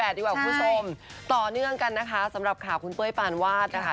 ดีกว่าคุณผู้ชมต่อเนื่องกันนะคะสำหรับข่าวคุณเป้ยปานวาดนะคะ